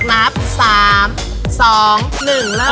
นับ๓๒๑เลิก